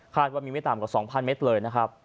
คาดว่ามีไม่ต่ำกว่ายา๒๐๐๐เมตรเลยนะฮะ